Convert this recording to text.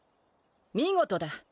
見事だ。